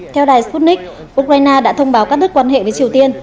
theo đài sputnik ukraine đã thông báo cắt đứt quan hệ với triều tiên